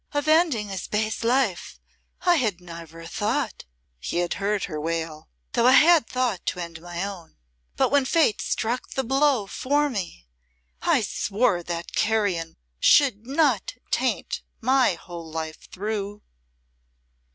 "Of ending his base life I had never thought," he had heard her wail, "though I had thought to end my own. But when Fate struck the blow for me, I swore that carrion should not taint my whole life through."